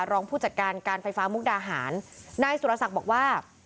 รองผู้จัดการการไฟฟ้ามุกดาหารนายสุรศักดิ์บอกว่า